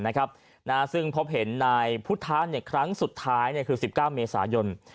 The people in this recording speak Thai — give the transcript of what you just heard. ชาวัดบุรีรัมณ์นะครับนะซึ่งพบเห็นนายพุทธาเนี่ยครั้งสุดท้ายเนี่ยคือ๑๙เมษายน